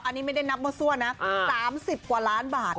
อันนี้ไม่ได้นับมั่วนะ๓๐กว่าล้านบาท